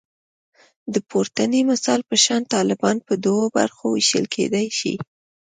د پورتني مثال په شان طالبان په دوو برخو ویشل کېدای شي